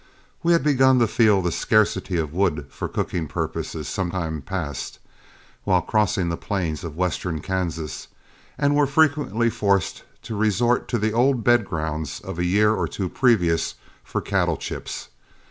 We had begun to feel the scarcity of wood for cooking purposes some time past, and while crossing the plains of western Kansas, we were frequently forced to resort to the old bed grounds of a year or two previous for cattle chips.